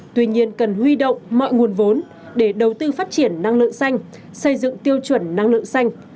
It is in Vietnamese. tuy nhiên cần huy động mọi nguồn vốn để đầu tư phát triển năng lượng xanh xây dựng tiêu chuẩn năng lượng xanh